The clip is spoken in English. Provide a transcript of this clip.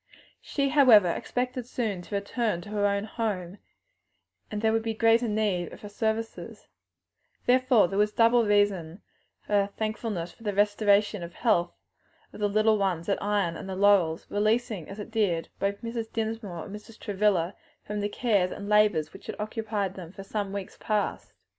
She, however, expected soon to return to her own home, and there would then be greater need of their services; therefore there was double reason for thankfulness for the restoration to health of the little ones at Ion and the Laurels; releasing, as it did, both Mrs. Dinsmore and Mrs. Travilla from the cares and labors which had occupied them for some weeks past.